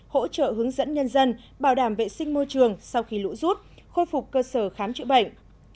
hỗ trợ hướng dẫn nhân dân bảo đảm vệ sinh môi trường sau khi lũ rút khôi phục cơ sở khám chữa bệnh